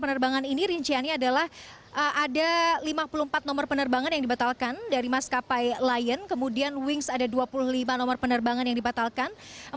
penerbangan ini rinciannya adalah ada lima puluh empat nomor penerbangan yang dibatalkan dari maskapai lion kemudian wings ada dua puluh lima nomor penerbangan yang dibatalkan